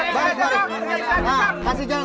kasih jalan kasih jalan